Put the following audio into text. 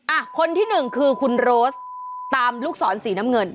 อ่ะคนที่หนึ่งคือคุณโรสตามลูกศรสีน้ำเงิน